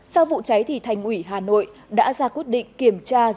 sau vụ cháy thì thành ủy hà nội đã ra quyết định kiểm tra